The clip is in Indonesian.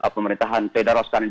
pemerintahan federal sekarang ini